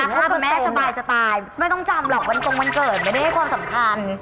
ถ้าคุณแม่สบายจะตายไม่ต้องจำหรอกวันตรงวันเกิดไม่ได้ให้ความสำคัญ